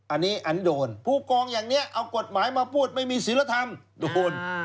อันนี้อันโดนผู้กองอย่างนี้เอากฎหมายมาพูดไม่มีศิลธรรมโดน